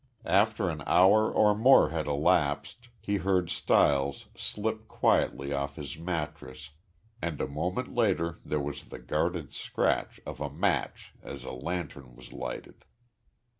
After an hour or more had elapsed he heard Stiles slip quietly off his mattress and a moment later there was the guarded scratch of a match as a lantern was lighted.